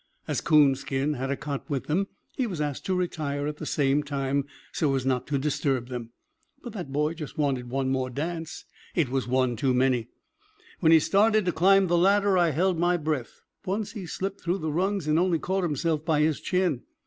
As Coonskin had a cot with them, he was asked to retire at the same time, so as not to disturb them. But that boy wanted just one more dance it was one too many. When he started to climb the ladder I held my breath; once he slipped through the rungs and only caught himself by his chin.